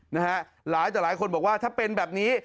หลายต่อหลายคนบอกว่าถ้าเป็นแบบนี้